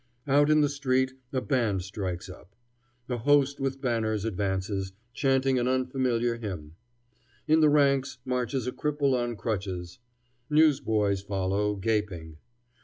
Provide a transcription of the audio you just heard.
Out in the street a band strikes up. A host with banners advances, chanting an unfamiliar hymn. In the ranks marches a cripple on crutches. Newsboys follow, gaping.